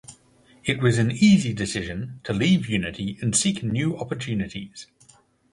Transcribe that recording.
It was an easy decision to leave Unity and seek new opportunities.